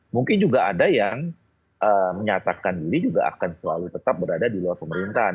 mungkin juga ada yang menyatakan diri juga akan selalu tetap berada di luar pemerintahan